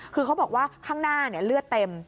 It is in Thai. คือเขาบอกว่าข้างหน้าเลือดเต็ม